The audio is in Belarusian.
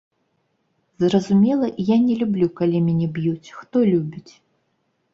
Зразумела, я не люблю, калі мяне б'юць, хто любіць?